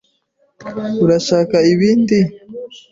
Urashaka ibindi?